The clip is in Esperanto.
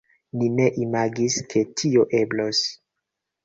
Ni ne imagis, ke tio eblos.